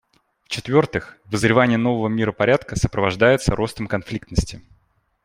В-четвертых, вызревание нового миропорядка сопровождается ростом конфликтности.